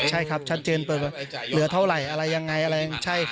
ใช่ครับชัดเจนเหลือเท่าไหร่อะไรยังไง